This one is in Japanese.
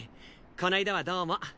この間はどうも。